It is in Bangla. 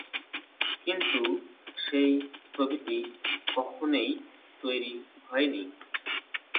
কিন্তু, সেই ছবিটি কখনোই তৈরি হয়নি।